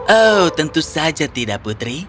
oh tentu saja tidak putri